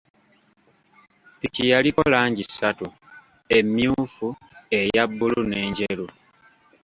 Ppiki yaliko langi ssatu, emmyuufu, eya bbulu n’enjeru.